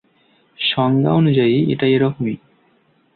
সংজ্ঞানুযায়ী, এটা এরকমই।